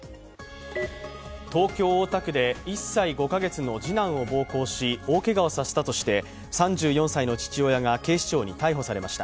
東京・大田区で１歳５カ月の次男を暴行し大けがを負わせたとして３４歳の父親が警視庁に逮捕されました。